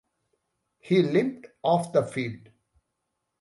He limped off the field.